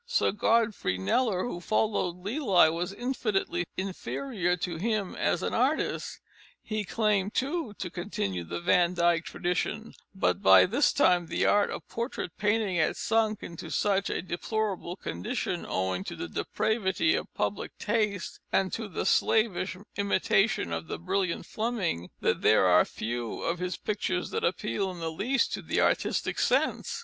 Sir Godfrey Kneller, who followed Lely, was infinitely inferior to him as an artist. He claimed, too, to continue the Van Dyck tradition, but by this time the art of portrait painting had sunk into such a deplorable condition, owing to the depravity of public taste and to the slavish imitation of the brilliant Fleming, that there are few of his pictures that appeal in the least to the artistic sense.